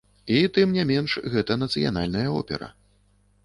І, тым не менш, гэта нацыянальная опера.